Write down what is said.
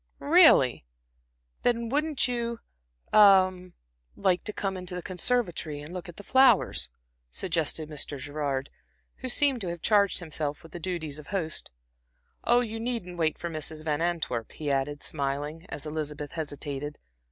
"Really! Then wouldn't you a like to come into the conservatory and look at the flowers?" suggested Mr. Gerard, who seemed to have charged himself with the duties of host. "Oh, you needn't wait for Mrs. Van Antwerp," he added, smiling, as Elizabeth hesitated.